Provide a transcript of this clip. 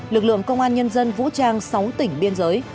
lực lượng công an nhân dân vũ trang sáu tỉnh biên giới